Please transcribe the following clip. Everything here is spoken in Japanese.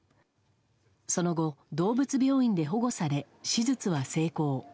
その後、動物病院で保護され手術は成功。